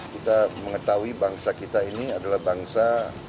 kita mengetahui bangsa kita ini adalah bangsa